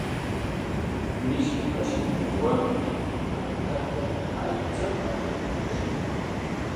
Mishiqa shillunwami makapik aychata hurqushqa.